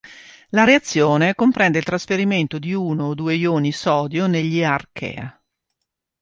La reazione comprende il trasferimento di uno o due ioni sodio negli "Archaea".